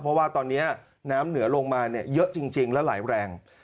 เพราะว่าตอนนี้น้ำเหนือลงมาเยอะจริงและไหลแรง